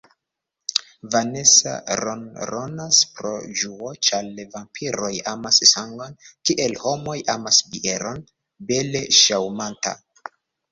Vanesa ronronas pro ĝuo, ĉar vampiroj amas sangon, kiel homoj amas bieron: bele ŝaŭmanta.